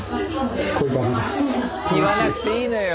言わなくていいのよ